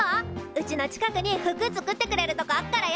うちの近くに服作ってくれるとこあっからよ。